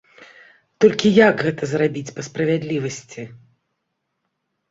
Толькі як гэта зрабіць па справядлівасці?